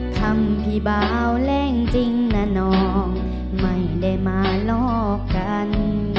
ทำพี่เบาแรงจริงนะน้องไม่ได้มาลอกกัน